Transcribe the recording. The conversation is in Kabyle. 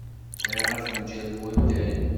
Bɣiɣ afenjal n watay.